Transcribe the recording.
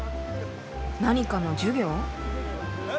何かの授業？